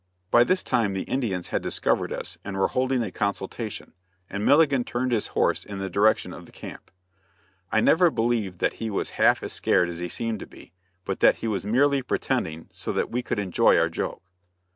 By this time the Indians had discovered us and were holding a consultation, and Milligan turned his horse in the direction of the camp. I never believed that he was half as scared as he seemed to be, but that he was merely pretending so that we could enjoy our joke.